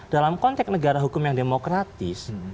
dalam konteks negara hukum yang demokratis